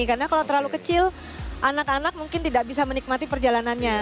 karena kalau terlalu kecil anak anak mungkin tidak bisa menikmati perjalanannya